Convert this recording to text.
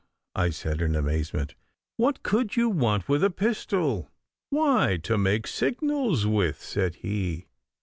I said in amazement, 'what could you want with a pistol?' 'Why, to make signals with,' said he.